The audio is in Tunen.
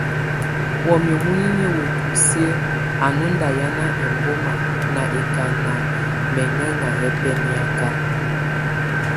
Wamɛ̀á munyinyǝ wa busiǝ́ á nù nda hiana ɛmbɔma ná ɛkana mɛŋɛŋa yɛ bɛniaka.